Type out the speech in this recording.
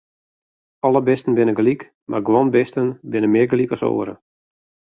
Alle bisten binne gelyk, mar guon bisten binne mear gelyk as oare.